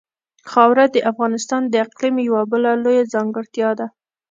خاوره د افغانستان د اقلیم یوه بله لویه ځانګړتیا ده.